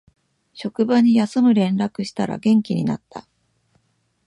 職場に休む連絡したら元気になった